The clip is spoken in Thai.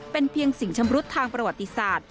เป็นเพียงสิ่งชำรุดทางประวัติศาสตร์